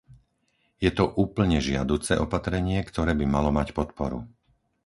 Je to úplne žiaduce opatrenie, ktoré by malo mať podporu.